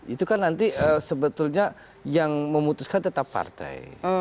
itu kan nanti sebetulnya yang memutuskan tetap partai